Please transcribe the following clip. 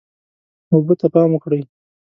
اوبه ته پام وکړئ.